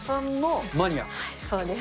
そうです。